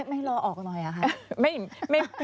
ไม่รอออกหน่อยค่ะ